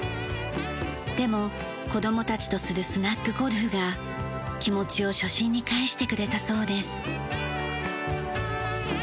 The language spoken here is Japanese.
でも子供たちとするスナッグゴルフが気持ちを初心に帰してくれたそうです。